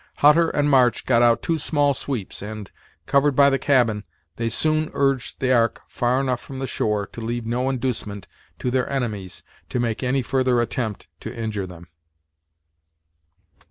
Hutter and March got out two small sweeps and, covered by the cabin, they soon urged the ark far enough from the shore to leave no inducement to their enemies to make any further attempt to injure them.